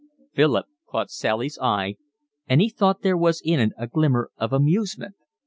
Philip caught Sally's eye, and he thought there was in it a glimmer of amusement.